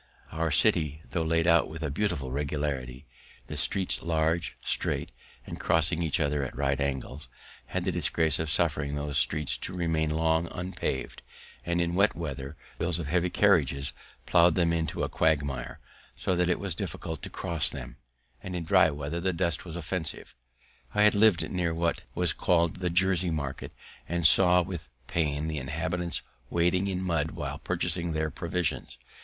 Our city, tho' laid out with a beautiful regularity, the streets large, straight, and crossing each other at right angles, had the disgrace of suffering those streets to remain long unpav'd, and in wet weather the wheels of heavy carriages plough'd them into a quagmire, so that it was difficult to cross them; and in dry weather the dust was offensive. I had liv'd near what was call'd the Jersey Market, and saw with pain the inhabitants wading in mud while purchasing their provisions.